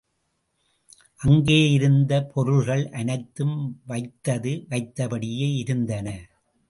அங்கேயிருந்த பொருள்கள் அனைத்தும் வைத்தது வைத்தபடியேயிருந்தன.